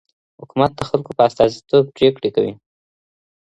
حکومت د خلګو په استازيتوب پرېکړې کوي.